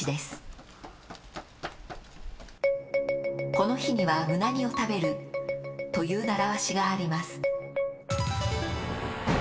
この日にはうなぎを食べるという習わしがあります。